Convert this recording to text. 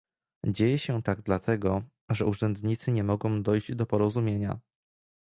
Dzieje się tak dlatego, że urzędnicy nie mogą dojść do porozumienia